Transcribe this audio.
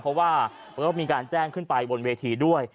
เพราะว่ามันก็มีการแจ้งขึ้นไปบนเวทีด้วย